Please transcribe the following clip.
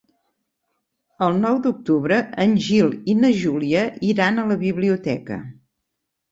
El nou d'octubre en Gil i na Júlia iran a la biblioteca.